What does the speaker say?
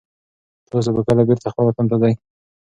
تاسو به کله بېرته خپل وطن ته ځئ؟